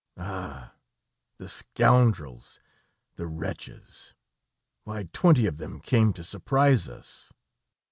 "Ah! the scoundrels, the wretches! Why twenty of them came to surprise us."